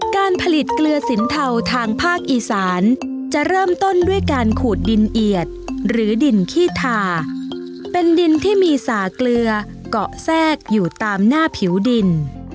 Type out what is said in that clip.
การผลิตเกลือสินเทาทางภาคอีสานจะเริ่มต้นด้วยการขูดดินเอียดหรือดินขี้ทาเป็นดินที่มีสาเกลือเกาะแทรกอยู่ตามหน้าผิวดิน